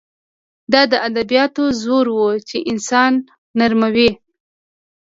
دا د ادبیاتو زور و چې انسان نرموي